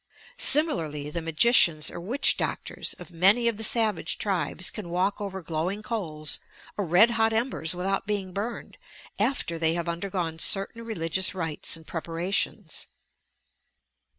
Similarly the magicians or witch doctors of many of the ADVANCED STUDIES 357 savage tribes can walk over glowing coals or red hot emberH without being burned, — after they have nnder goce certain religious rites and preparations.